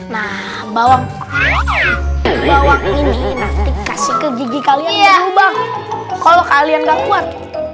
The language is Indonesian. nah bawang bawang ini nanti kasih ke gigi kalian tahu bang kalau kalian gak kuat